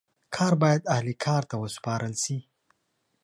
کار باید اهل کار ته وسپارل سي.